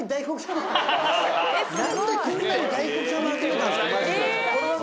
何でこんなに大黒さんを集めたんですかマジで。